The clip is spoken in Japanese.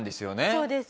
そうです